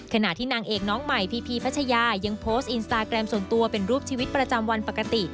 ขณะที่นางเอกน้องใหม่พีพีพัชยายังโพสต์อินสตาแกรมส่วนตัวเป็นรูปชีวิตประจำวันปกติ